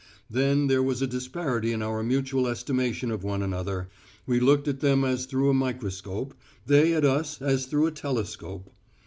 Then there was a disparity in our mutual estimation of one another: we looked at them as through a microscope, they at us as through a telescope.